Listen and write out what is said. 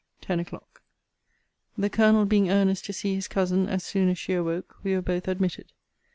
TEN O'CLOCK. The Colonel being earnest to see his cousin as soon as she awoke, we were both admitted.